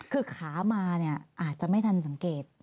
คือขามาอาจจะไม่ทันสังเกต